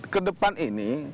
ke depan ini